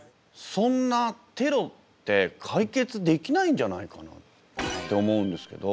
そんなテロって解決できないんじゃないかなと思うんですけど。